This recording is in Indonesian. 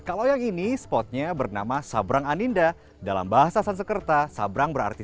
kalau yang ini spotnya bernama sabrang andinda dalam bahasa sansekerta sabrang berarti